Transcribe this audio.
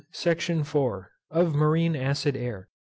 SECTION IV. _Of MARINE ACID AIR.